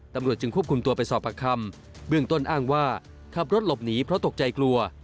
ตำรวจจึงควบคุมตัวไปสอบปากคำเบื้องต้นอ้างว่าขับรถหลบหนีเพราะตกใจกลัว